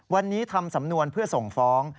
วันนี้ทำสำนวนเพื่อส่งฟ้อง